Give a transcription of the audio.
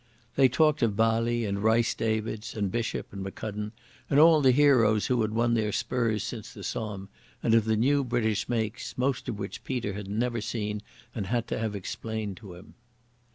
They talked of Bali, and Rhys Davids, and Bishop, and McCudden, and all the heroes who had won their spurs since the Somme, and of the new British makes, most of which Peter had never seen and had to have explained to him.